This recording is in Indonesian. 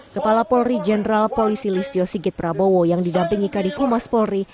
kepala polri general polisi listio sigit prabowo yang didampingi kadifu mas polri